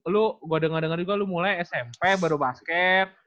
lo gue denger denger juga lo mulai smp baru basket